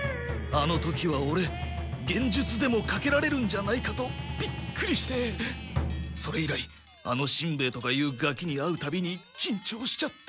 あの時はオレ幻術でもかけられるんじゃないかとビックリしてそれいらいあのしんべヱとかいうガキに会うたびにきんちょうしちゃって。